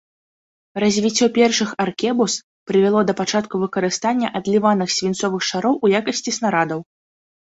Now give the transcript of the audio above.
Развіццё першых аркебуз прывяло да пачатку выкарыстання адліваных свінцовых шароў у якасці снарадаў.